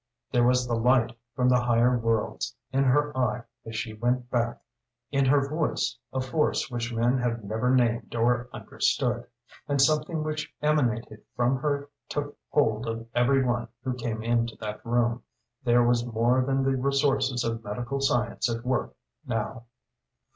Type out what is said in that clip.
There was the light from higher worlds in her eye as she went back, in her voice a force which men have never named or understood. And something which emanated from her took hold of every one who came into that room. There was more than the resources of medical science at work now.